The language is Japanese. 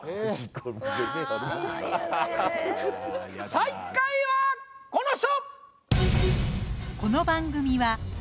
最下位はこの人！